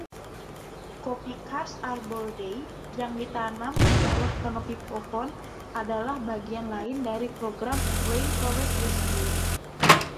Kopi Khas Arbor Day yang ditanam di bawah kanopi pohon adalah bagian lain dari program Rain Forest Rescue.